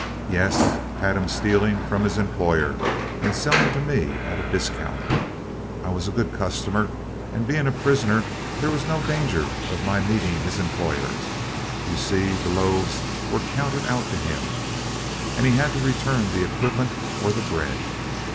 Yes, had him stealing from his employer and selling to me at a discount. I was a good customer, and being a prisoner, there was no danger of my meeting his employer. You see the loaves were counted out to him, and he had to return the equivalent or the bread.